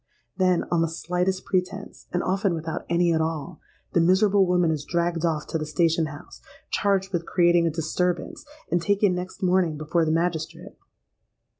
Then, on the slightest pretence—and often without any at all—the miserable woman is dragged off to the station house, charged with creating a disturbance, and taken next morning before the magistrate.